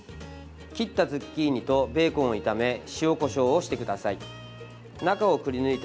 切ったズッキーニとベーコンを炒め塩、こしょうをしてください。